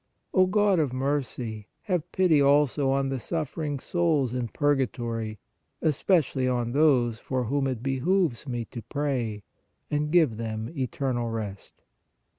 O God of mercy, have pity also on the suffering souls in pur gatory, especially on those for whom it behooves me to pray, and give them eternal rest.